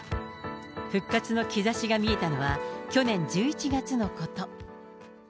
復活の兆しが見えたのは、去年１１月のこと。